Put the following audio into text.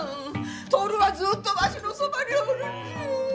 徹はずっとわしのそばにおるんじゃ。